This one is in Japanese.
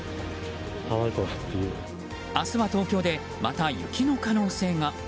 明日は東京で、また雪の可能性が。